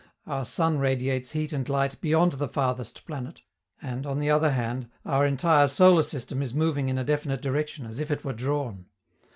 Our sun radiates heat and light beyond the farthest planet, and, on the other hand, our entire solar system is moving in a definite direction as if it were drawn.